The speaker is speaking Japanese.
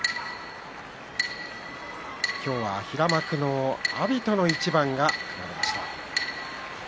今日は平幕の阿炎との一番が組まれました。